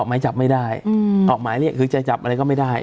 หมายจับไม่ได้ออกหมายเรียกคือจะจับอะไรก็ไม่ได้